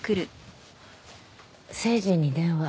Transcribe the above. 誠治に電話。